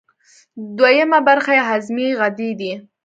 دویمه برخه یې هضمي غدې دي.